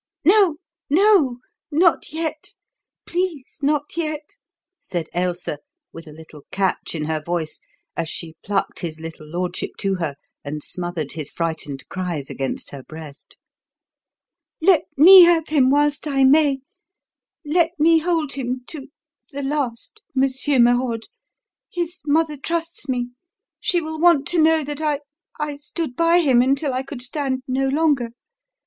"No, no! not yet! Please, not yet!" said Ailsa, with a little catch in her voice as she plucked his little lordship to her and smothered his frightened cries against her breast. "Let me have him whilst I may let me hold him to the last, Monsieur Merode. His mother trusts me. She will want to know that I I stood by him until I could stand no longer.